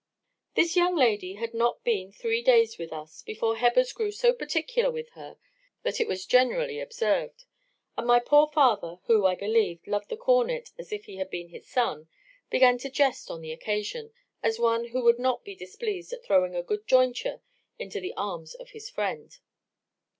"This young lady had not been three days with us before Hebbers grew so particular with her, that it was generally observed; and my poor father, who, I believe, loved the cornet as if he had been his son, began to jest on the occasion, as one who would not be displeased at throwing a good jointure into the arms of his friend.